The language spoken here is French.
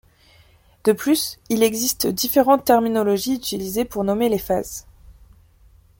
De plus, il existe différentes terminologies utilisées pour nommer les phases.